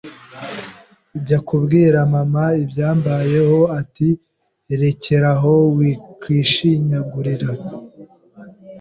Njya kubwira mama ibyambayeho ati rekeraho wikwishinyagurira